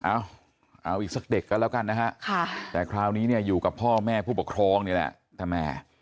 เอาเอาอีกสักเด็กก็แล้วกันนะฮะแต่คราวนี้เนี่ยอยู่กับพ่อแม่ผู้ปกครองนี่แหละแต่แม่